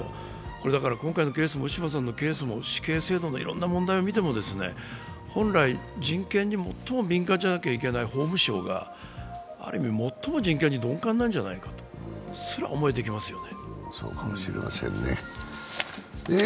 ですからウィシュマさんのケースも死刑制度のいろんな問題を見ても本来、人権に最も敏感でなきゃいけない法務省がある意味最も人権に鈍感なんじゃないかとすら思えてきますよね。